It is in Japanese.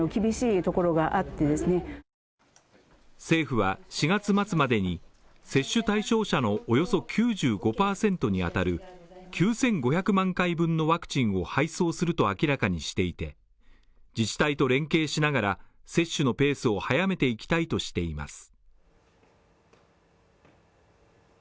政府は４月末までに接種対象者のおよそ９５％にあたる９５００万回分のワクチンを配送すると明らかにしていて、自治体と連携しながら、接種のペースを速めていきたいとしています。